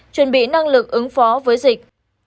một chuẩn bị năng lực ứng phó với dịch